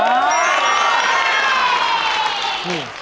โอ้โฮ